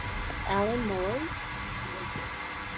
Alan Moore's ?